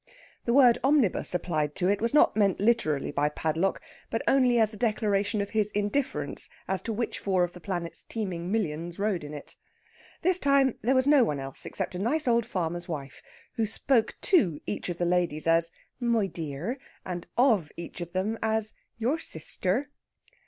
The word "omnibus" applied to it was not meant literally by Padlock, but only as a declaration of his indifference as to which four of the planet's teeming millions rode in it. This time there was no one else except a nice old farmer's wife, who spoke to each of the ladies as "my dear," and of each of them as "your sister."